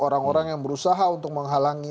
orang orang yang berusaha untuk menghalangi